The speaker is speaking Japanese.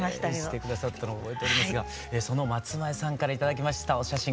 して下さったの覚えておりますがその松前さんから頂きましたお写真